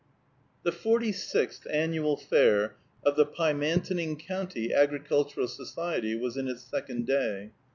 The forty sixth annual fair of the Pymantoning County Agricultural Society was in its second day.